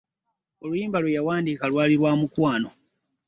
Oluyimba lweyawandiika lwali lwa mukwano.